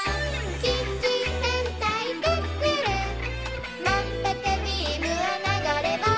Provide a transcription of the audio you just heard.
「キッチン戦隊クックルン」「まんぷくビームは流れ星」